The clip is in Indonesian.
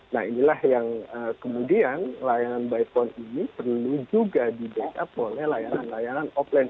nah inilah yang kemudian layanan by phone ini perlu juga di backup oleh layanan layanan offline